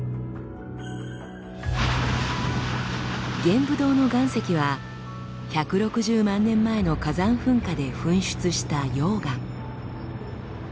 玄武洞の岩石は１６０万年前の火山噴火で噴出した溶岩。